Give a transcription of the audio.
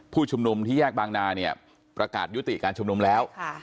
ผู้ชุมนุมที่แยกบางนาเนี่ยประกาศยุติการชุมนุมแล้ว